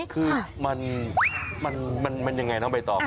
คือมันมันยังไงต้องไปตอบ